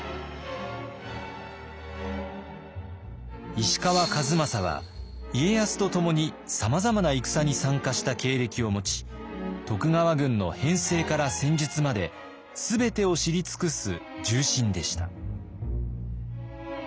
石川数正は家康と共にさまざまな戦に参加した経歴を持ち徳川軍の編成から戦術まで全てを知り尽くす重臣でした。